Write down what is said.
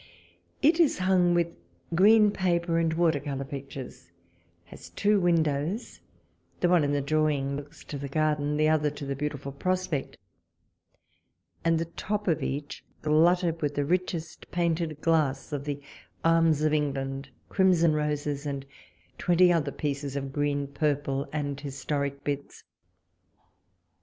It is hung with green paper and water colour pictures ; has two windows ; the one in the drawing looks to the garden, the other to the beautiful pros^Dcct ; and the top of each glutted with the richest painted glass of the arms of England, crimson roses, and twenty other pieces of green, purple, and historic bits.